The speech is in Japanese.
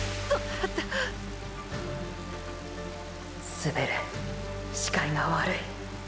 滑る視界が悪い。